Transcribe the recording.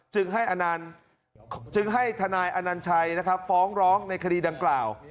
จึงให้ทนายอนัญชัยนะครับฟ้องร้องในคดีดังกล่าว